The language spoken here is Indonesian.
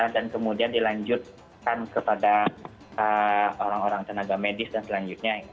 dan kemudian dilanjutkan kepada orang orang tenaga medis dan selanjutnya